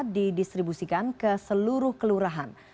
didistribusikan ke seluruh kelurahan